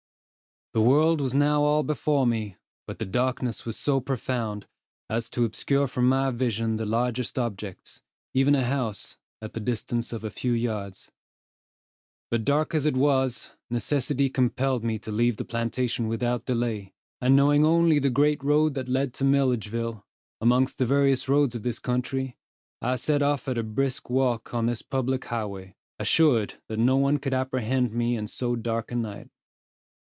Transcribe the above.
The world was now all before me, but the darkness was so profound, as to obscure from my vision the largest objects, even a house, at the distance of a few yards. But dark as it was, necessity compelled me to leave the plantation without delay, and knowing only the great road that led to Milledgeville, amongst the various roads of this country, I set off at a brisk walk on this public highway, assured that no one could apprehend me in so dark a night.